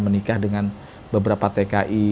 menikah dengan beberapa tki